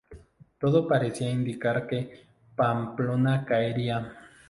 Todo parecía indicar que Pamplona caería.